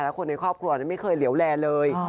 และคนในครอบครัวไม่เคยเหลวแลเลย